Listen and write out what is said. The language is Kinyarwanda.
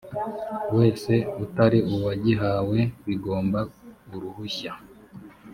wese utari uwagihawe bigomba uruhushya